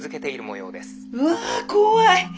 うわ怖い。